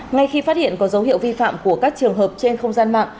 ngay khi phát hiện có dấu hiệu vi phạm của các trường hợp trên không gian mạng